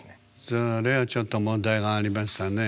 それはちょっと問題がありましたね。